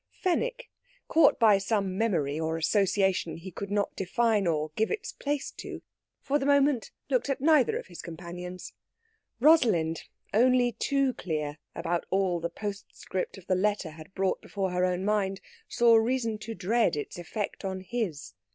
Fenwick, caught by some memory or association he could not define or give its place to, for the moment looked at neither of his companions. Rosalind, only too clear about all the postscript of the letter had brought before her own mind, saw reason to dread its effect on his.